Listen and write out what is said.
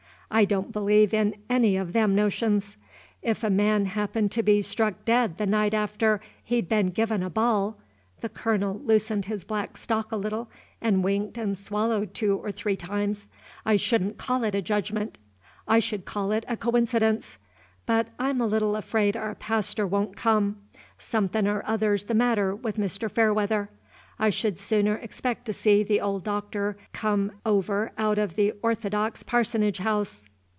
I don't believe in any of them notions. If a man happened to be struck dead the night after he'd been givin' a ball," (the Colonel loosened his black stock a little, and winked and swallowed two or three times,) "I should n't call it a judgment, I should call it a coincidence. But I 'm a little afraid our pastor won't come. Somethin' or other's the matter with Mr. Fairweather. I should sooner expect to see the old Doctor come over out of the Orthodox parsonage house."